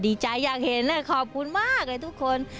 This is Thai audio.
ดีใจอยากเห็นขอบคุณมากเลยทุกคน